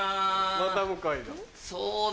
また向井だ。